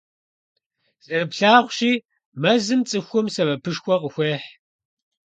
Зэрыплъагъущи, мэзым цӀыхум сэбэпышхуэ къыхуехь.